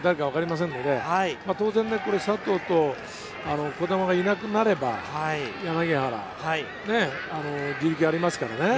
当然、佐藤と児玉がいなくなれば、柳原、自力がありますからね。